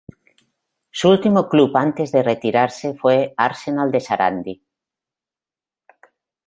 Su último club antes de retirarse fue Arsenal de Sarandí.